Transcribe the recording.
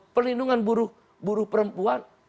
perlindungan buruh perempuan